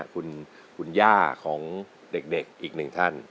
คุณย่าของเด็กอีกหนึ่งท่าน